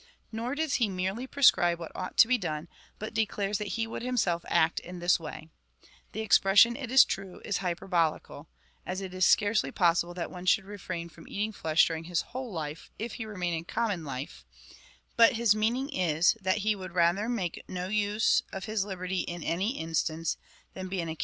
Nor does he merely prescribe what ought to be done, but declares that he would himself act in this way. The expression, it is true, is hyperbolical, as it is scarcely possible that one should re frain from eating flesh during his whole life, if he remain in common life;^ but his meaning is, that he would rather make no use of his liberty in any instance, than be an occa ^" S'il demenre en la conuersation et communication auec les autres